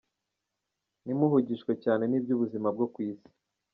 Ntimuhugishwe cyane n’iby’ubuzima bwo mu Isi.